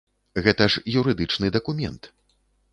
Гэта ж юрыдычны дакумент.